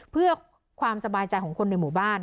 เพื่อความสบายใจของคนในหมู่บ้าน